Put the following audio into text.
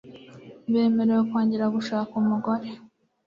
bemererwa kongera gushaka umugore